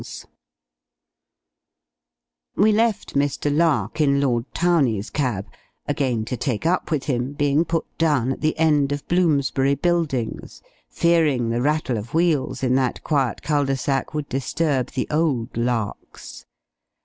We left Mr. Lark in Lord Towney's cab again to take up with him, being put down at the end of Bloomsbury Buildings, fearing the rattle of wheels in that quiet cul de sac would disturb the old Larks.